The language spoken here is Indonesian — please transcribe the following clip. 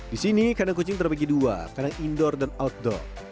di sini kadang kucing terpegi dua kadang indoor dan outdoor